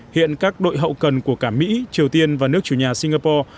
hiện các đội hậu cần của cả mỹ triều tiên và nước chủ nhà singapore